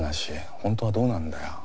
本当はどうなんだよ？